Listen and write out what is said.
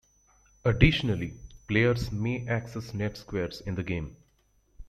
Additionally, players may access NetSquares in the game.